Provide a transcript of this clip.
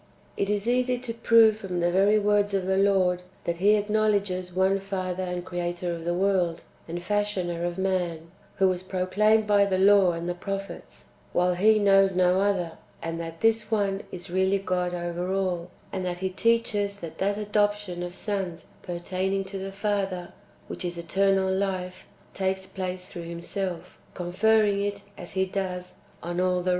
It is easy to prove from the very words of the Lord, that He acknowledires one Father and Creator of the world, and Fashioner of man, who was proclaimed by the law and the prophets, while He knows no other, and that this One is really God over all ; and that He teaches that that adoption of sons pertaining to the Father, which is eternal life, takes place through Himself, conferring it [as He does] on all the riffhteous.